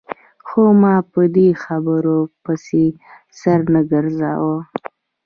خو ما په دې خبرو پسې سر نه ګرځاوه.